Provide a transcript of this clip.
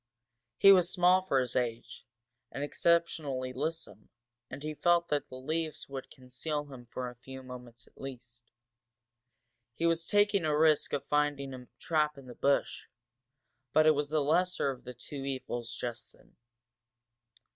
He was small for his age, and exceptionally lissome and he felt that the leaves would conceal him for a few moments at least. He was taking a risk of finding a trap in the bush, but it was the lesser of the two evils just then.